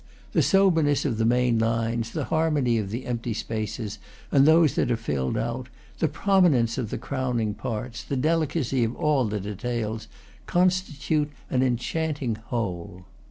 The soberness of the main lines, the harmony of the empty spaces and those that are filled out, the prominence of the crowning parts, the delicacy of all the details, constitute an enchanting whole."